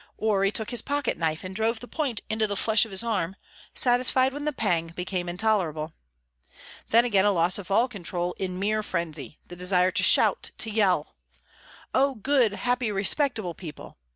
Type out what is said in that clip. Or he took his pocket knife, and drove the point into the flesh of his arm, satisfied when the pang became intolerable. Then again a loss of all control in mere frenzy, the desire to shout, to yell.... Elgar was out of the house at sunrise.